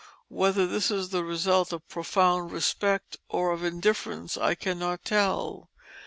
Whether this is the result of profound respect or of indifference I cannot tell.